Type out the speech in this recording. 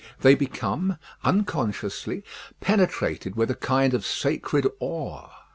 They become, unconsciously, penetrated with a kind of sacred awe.